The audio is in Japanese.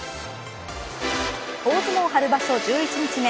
大相撲春場所１１日目